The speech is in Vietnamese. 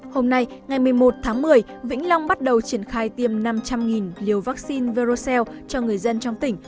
hôm nay ngày một mươi một tháng một mươi vĩnh long bắt đầu triển khai tiêm năm trăm linh liều vaccine virus cell cho người dân trong tỉnh